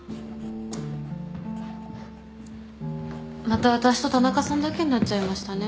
また私と田中さんだけになっちゃいましたね。